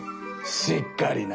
しっかりな。